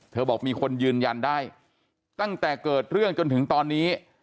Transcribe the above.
บอกมีคนยืนยันได้ตั้งแต่เกิดเรื่องจนถึงตอนนี้